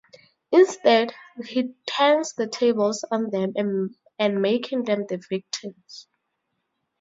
Instead, he turns the tables on them and making them the victims.